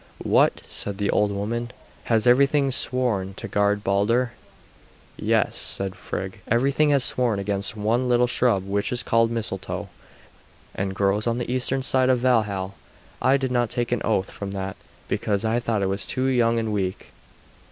"What!" said the old woman, "has everything sworn to guard Balder?" "Yes," said Frigg, "everything has sworn except one little shrub which is called Mistletoe, and grows on the eastern side of Valhal. I did not take an oath from that because I thought it too young and weak."